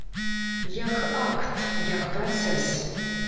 Як акт, як працэс.